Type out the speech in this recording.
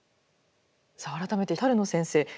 さあ改めて野先生